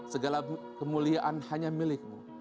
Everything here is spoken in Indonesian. segala kemuliaan hanya milikmu